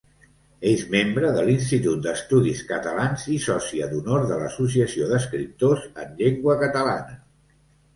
És membre de l'Institut d'Estudis Catalans i sòcia d'honor de l'Associació d'Escriptors en Llengua Catalana.